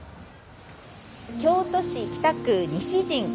京都市北区西陣。